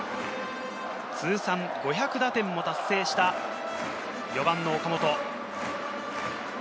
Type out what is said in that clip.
通算５００打点も達成した４番の岡本。